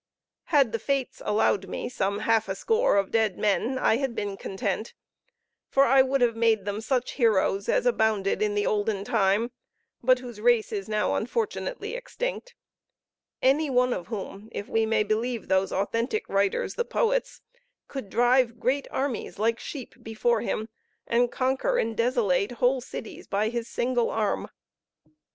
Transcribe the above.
Had the Fates allowed me some half a score of dead men, I had been content; for I would have made them such heroes as abounded in the olden time, but whose race is now unfortunately extinct; any one of whom, if we may believe those authentic writers, the poets, could drive great armies, like sheep before him, and conquer and desolate whole cities by his single arm.